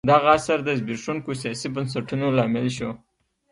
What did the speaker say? دغه عصر د زبېښونکو سیاسي بنسټونو لامل شو.